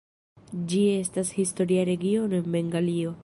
Ĝi estas historia regiono en Bengalio.